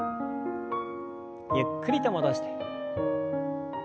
ゆっくりと戻して。